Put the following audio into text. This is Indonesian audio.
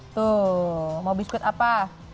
tuh mau biskut apa